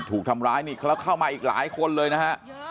ถูกทำร้ายนี่แล้วเข้ามาอีกหลายคนเลยนะฮะ